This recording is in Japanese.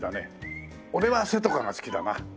俺はせとかが好きだな。